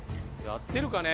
やってるかね？